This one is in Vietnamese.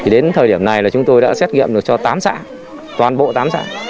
đến thời điểm này chúng tôi đã xét nghiệm được cho tám xã toàn bộ tám xã